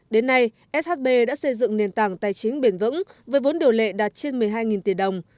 đến nay shb đã xây dựng nền tảng tài chính bền vững với vốn điều lệ đạt trên một mươi hai tỷ đồng